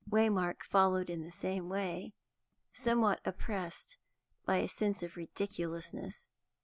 Waymark followed in the same way, somewhat oppressed by a sense of ridiculousness.